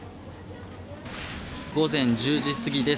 午前１０時過ぎです。